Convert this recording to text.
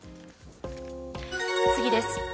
次です。